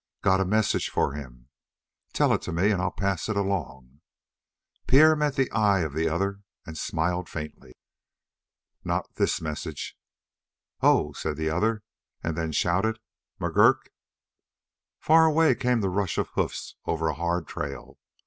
"Got a message for him." "Tell it to me, and I'll pass it along." Pierre met the eye of the other and smiled faintly. "Not this message." "Oh," said the other, and then shouted: "McGurk!" Far away came the rush of hoofs over a hard trail.